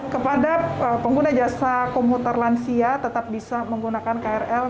kepada pengguna jasa komuter lansia tetap bisa menggunakan krl